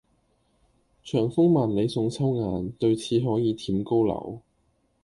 長風萬里送秋雁，對此可以酣高樓